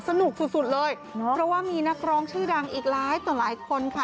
สนุกสุดสุดเลยเพราะว่ามีนักร้องชื่อดังอีกหลายต่อหลายคนค่ะ